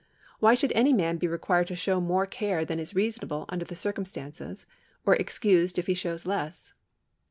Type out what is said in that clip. Why should any man be required to show more care than is reasonable under the circumstances, or excused if he shows less